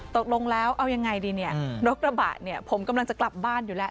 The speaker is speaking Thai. ตกลงแล้วเอายังไงดีโลกระบะผมกำลังจะกลับบ้านอยู่แล้ว